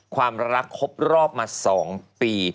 ความรักครบรอบมา๒ปี